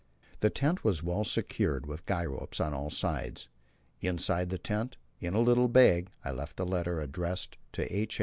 The tent was well secured with guy ropes on all sides. Inside the tent, in a little bag, I left a letter, addressed to H.